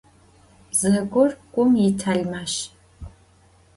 Bzegur gum yitelmaş.